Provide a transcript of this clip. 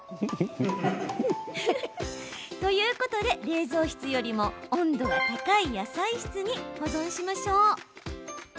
ということで冷蔵室よりも温度が高い野菜室に保存しましょう。